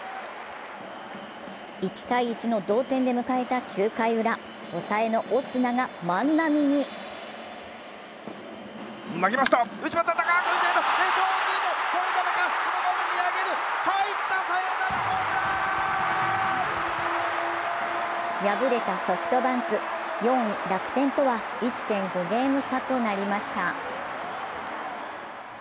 １−１の同点で迎えた９回ウラ、抑えのオスナが万波に敗れたソフトバンク、４位・楽天とは１．５ゲーム差となりました。